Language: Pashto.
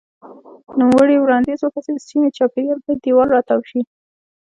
نوموړي وړاندیز وکړ چې د سیمې چاپېره باید دېوال راتاو شي.